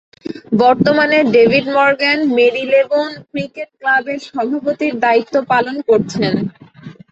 বর্তমানে David Morgan Marylebone cricket ক্লাবের সভাপতির দায়িত্ব পালন করছেন।